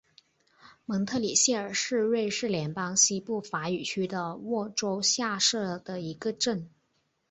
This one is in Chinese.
蒙特里谢尔是瑞士联邦西部法语区的沃州下设的一个镇。